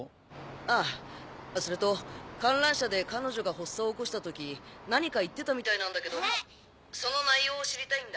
ああそれと観覧車で彼女が発作を起こした時何か言ってたみたいなんだけどその内容を知りたいんだ。